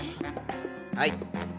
はい。